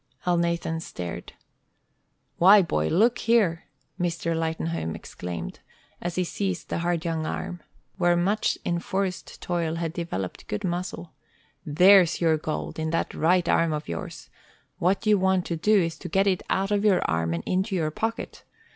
Elnathan stared. "Why, boy, look here!" Mr. Lightenhome exclaimed, as he seized the hard young arm, where much enforced toil had developed good muscle. "There's your gold, in that right arm of yours. What you want to do is to get it out of your arm and into your pocket.